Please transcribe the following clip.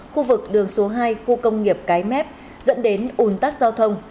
khu vực đường số hai khu công nghiệp cái mép dẫn đến ủn tắc giao thông